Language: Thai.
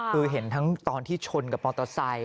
คือเห็นทั้งตอนที่ชนกับมอเตอร์ไซค